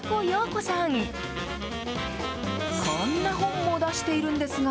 こんな本も出しているんですが。